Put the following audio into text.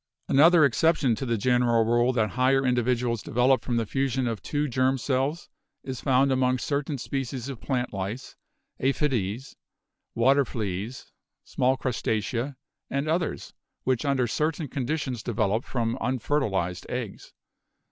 Another exception to the general rule that higher indi HEREDITY 243 viduals develop from the fusion of two germ cells is found among certain species of plant lice (Aphides), water fleas (small Crustacea) and others which under certain condi tions develop from unfertilized eggs.